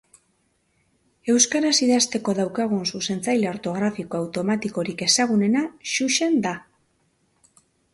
Euskaraz idazteko daukagun zuzentzaile ortografiko automatikorik ezagunena Xuxen da.